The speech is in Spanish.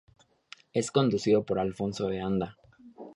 Es conducido por Alfonso de Anda.